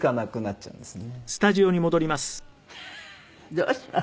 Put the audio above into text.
どうします？